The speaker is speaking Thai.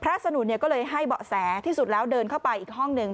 สนุนก็เลยให้เบาะแสที่สุดแล้วเดินเข้าไปอีกห้องหนึ่ง